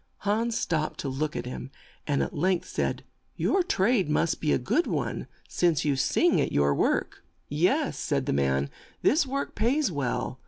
Hans stopped to look at him, and at length said, "Your trade must be a good one, since you sing at your work. '' "Yes," said the man, "this work pays well.